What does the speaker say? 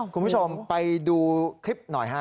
คุณผู้ชมไปดูคลิปหน่อยฮะ